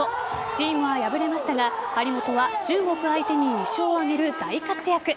チームは敗れましたが張本は中国相手に２勝を挙げる大活躍。